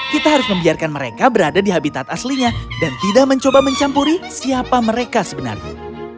kita harus membiarkan mereka berada di habitat aslinya dan tidak mencoba mencampuri siapa mereka sebenarnya